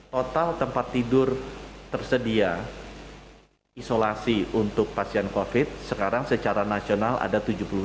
total tempat tidur tersedia isolasi untuk pasien covid sekarang secara nasional ada tujuh puluh tujuh